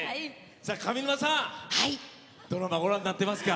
上沼さん、ドラマはご覧になっていますか？